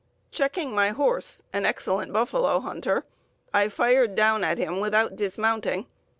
Checking my horse, an excellent buffalo hunter, I fired down at him without dismounting.